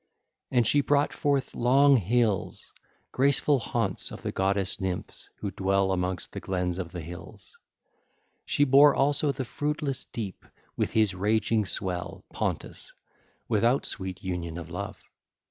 And she brought forth long Hills, graceful haunts of the goddess Nymphs who dwell amongst the glens of the hills. She bare also the fruitless deep with his raging swell, Pontus, without sweet union of love.